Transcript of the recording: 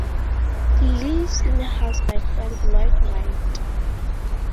He lives in a house by Frank Lloyd Wright.